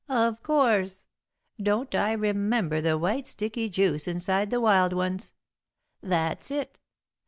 "Of course. Don't I remember the white sticky juice inside the wild ones? That's it!